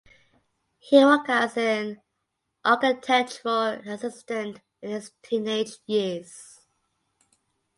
He work as an architectural assistant in his teenage years.